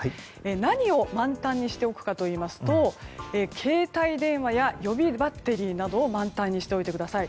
何を満タンにしておくかというと携帯電話や予備バッテリーなどを満タンにしておいてください。